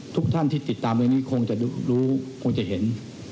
ทุกท่านที่ติดตามเรื่องนี้คงจะรู้คงจะเห็น